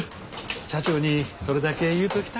社長にそれだけ言うときたくて。